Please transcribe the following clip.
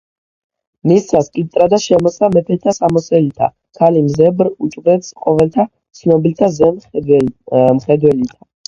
მისცა სკიპტრა და შემოსა, მეფეთა სამოსელითა, ქალი მზებრ უჭვრეტს ყოველთა ცნობითა ზე-მხედველითა.